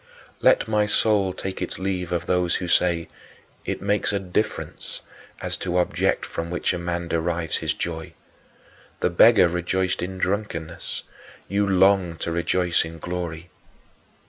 10. Let my soul take its leave of those who say: "It makes a difference as to the object from which a man derives his joy. The beggar rejoiced in drunkenness; you longed to rejoice in glory."